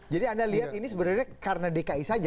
jadi anda lihat ini sebenarnya karena dki saja